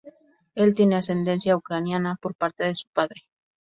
Él tiene ascendencia ucraniana por parte de su padre.